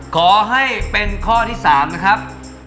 ขอให้เป็นข้อที่๓นะครับ